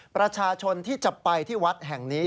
ประชาชนที่จะไปที่วัดแห่งนี้